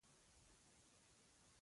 سلام یې وکړ.